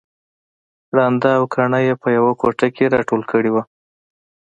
ړانده او کاڼه يې په يوه کوټه کې راټول کړي وو